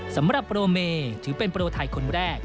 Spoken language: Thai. สำหรับโปรเมถือเป็นโปรไทยคนแรก